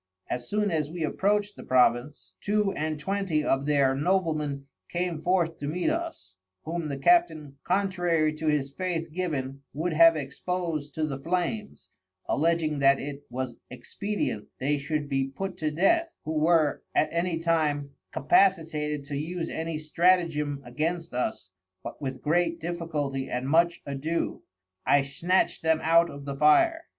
As soon as we approached the Province, Two and Twenty of their Noblemen came forth to meet us, whom the Captain contrary to his Faith given, would have expos'd to the Flames, alledging that it was expedient they should be put to Death, who were, at any time, capacitated to use any Stratagem against us, but with great difficulty and much adoe, I snatcht them out of the fire.